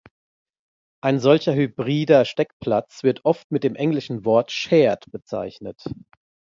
Ein solcher hybrider Steckplatz wird oft mit dem englischen Wort "shared" bezeichnet.